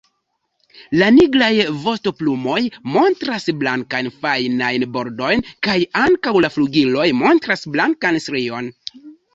La nigraj vostoplumoj montras blankajn fajnajn bordojn kaj ankaŭ la flugiloj montras blankan strion.